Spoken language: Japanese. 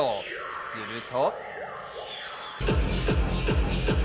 すると。